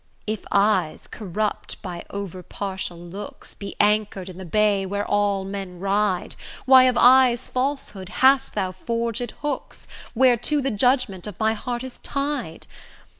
If eyes, corrupt by over partial looks, Be anchor'd in the bay where all men ride, Why of eyes' falsehood hast thou forged hooks, Whereto the judgment of my heart is tied?